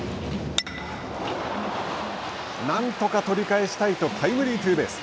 なんとか取り返したいとタイムリーツーベース。